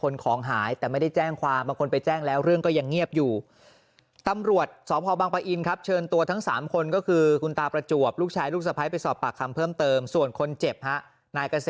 ใช่เต็มที่เหมือนกันเพราะว่าอันนี้ตั้งใจจับโดยตรงเลย